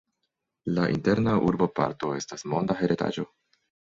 La Interna urboparto estas Monda Heredaĵo.